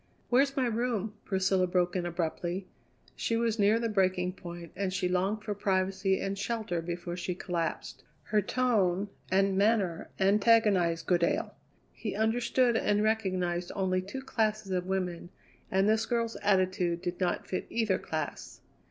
"Where's my room?" Priscilla broke in abruptly. She was near the breaking point and she longed for privacy and shelter before she collapsed. Her tone and manner antagonized Goodale. He understood and recognized only two classes of women, and this girl's attitude did not fit either class.